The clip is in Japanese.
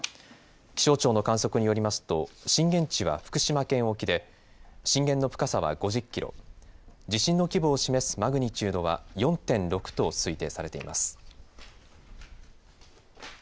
気象庁の観測によりますと震源地は福島県沖で震源の深さは５０キロ、地震の規模を示すマグニチュードは４．６と推定されています。